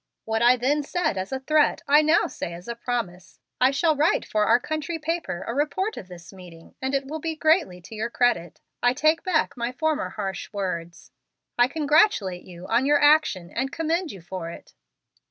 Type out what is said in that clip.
What I then said as a threat, I now say as a promise. I shall write for our country paper a report of this meeting, and it will be greatly to your credit. I take back my former harsh words. I congratulate you on your action, and commend you for it."